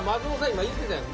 今言うてたやん。